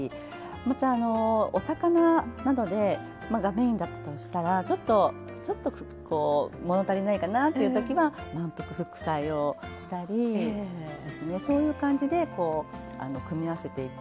またお魚などがメインだったとしたらちょっとこう物足りないかなっていうときは「まんぷく副菜」をしたりですねそういう感じで組み合わせていますかね。